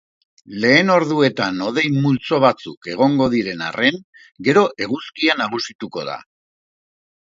Lehen orduetan hodei multzo batzuk egongo diren arren, gero eguzkia nagusituko da.